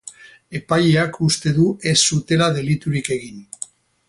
Epaileak uste du ez zutela deliturik egin.